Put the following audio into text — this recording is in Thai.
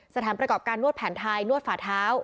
สถานประกอบการนวดแผนไทยนวดฝ่าเท้า